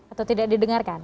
atau tidak didengarkan